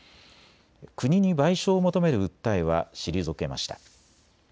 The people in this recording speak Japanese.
国に賠償を求める訴えは退けました。